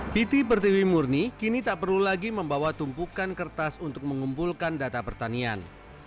piti pertiwi murni kini tak perlu lagi membawa tumpukan kertas untuk mengumpulkan data pertanian